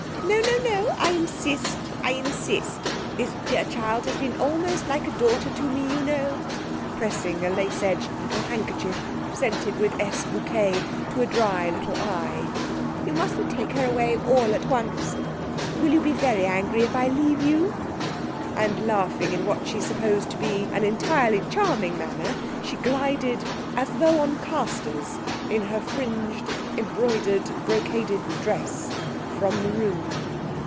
'No, no, no! I insist, I insist! This dear child has been almost like a daughter to me, you know,' pressing a lace edged little handkerchief, scented with Ess Bouquet, to a dry little eye. 'You mustn't take her away all at once! Will you be very angry if I leave you?' and laughing in what she supposed to be an entirely charming manner, she glided, as though on castors, in her fringed, embroidered, brocaded dress from the room.